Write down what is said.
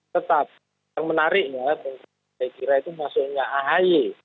tetap yang menariknya saya kira itu maksudnya ahi